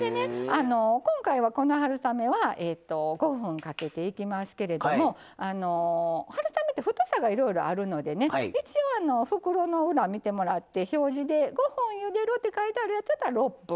今回は、この春雨は５分かけていきますけども春雨って太さがいろいろあるので一応、袋の裏を見てもらって表示で５分ゆでるって書いてあるやつは６分。